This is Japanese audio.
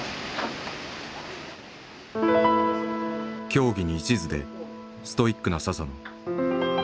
競技に一途でストイックな佐々野。